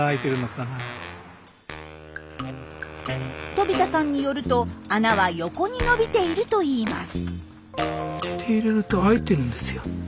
飛田さんによると穴は横に延びているといいます。